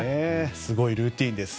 すごいルーティンです。